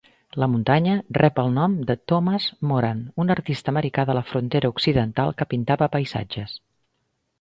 La muntanya rep el nom de Thomas Moran, un artista americà de la frontera occidental que pintava paisatges.